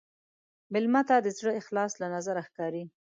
مېلمه ته د زړه اخلاص له نظره ښکاري.